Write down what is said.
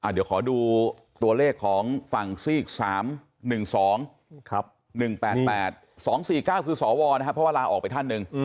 เดี๋ยวขอดูตัวเลขของฝั่งซีก๓๑๒๑๘๘๒๔๙คือสวนะครับเพราะว่าลาออกไปท่านหนึ่ง